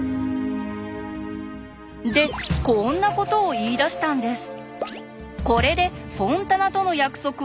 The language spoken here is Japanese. でこんなことを言いだしたんです。